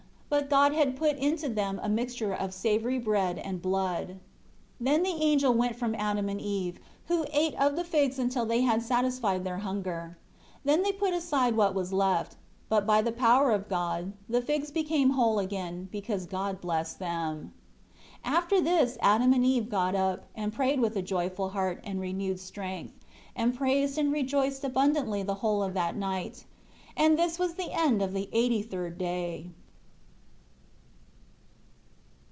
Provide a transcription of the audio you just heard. But God had put into them a mixture as of savory bread and blood. 8 Then the angel went from Adam and Eve, who ate of the figs until they had satisfied their hunger. Then they put aside what was left; but by the power of God, the figs became whole again, because God blessed them. 9 After this Adam and Eve got up, and prayed with a joyful heart and renewed strength, and praised and rejoiced abundantly the whole of that night. And this was the end of the eighty third day.